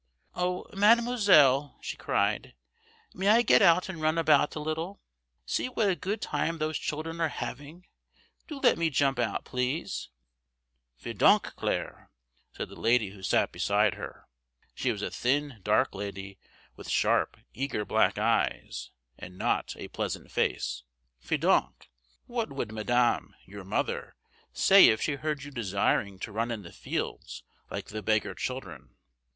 "Oh, Mademoiselle!" she cried, "may I get out and run about a little? See what a good time those children are having! Do let me jump out, please!" "Fi donc, Claire!" said the lady who sat beside her. She was a thin, dark lady, with sharp, eager black eyes, and not a pleasant face. "Fi donc! What would madame, your mother, say, if she heard you desiring to run in the fields like the beggar children?